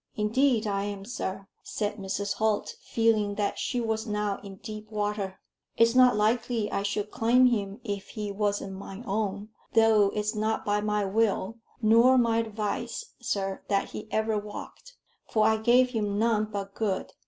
"Indeed I am, sir," said Mrs. Holt, feeling that she was now in deep water. "It's not likely I should claim him if he wasn't my own; though it's not by my will, nor my advice, sir, that he ever walked; for I gave him none but good.